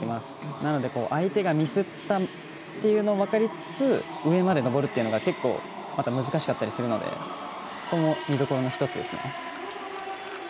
なので、相手がミスったというのを分かりつつ上まで登るっていうのが結構、また難しかったりするのでそこも見どころの１つですね。